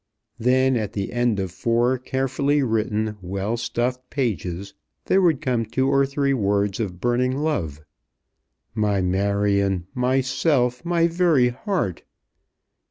Then at the end of four carefully written, well stuffed pages, there would come two or three words of burning love. "My Marion, my self, my very heart!"